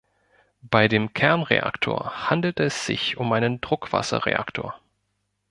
Bei dem Kernreaktor handelte es sich um einen Druckwasserreaktor.